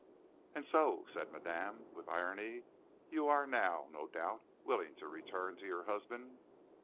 "And so," said madame, with irony, "you are now, no doubt, willing to return to your husband."